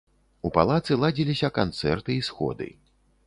У палацы ладзіліся канцэрты і сходы.